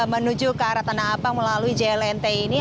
menuju ke arah tanah abang melalui jlnt ini